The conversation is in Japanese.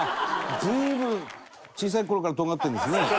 随分小さい頃から尖ってるんですね。